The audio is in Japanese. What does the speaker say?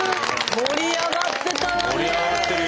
盛り上がってるよ。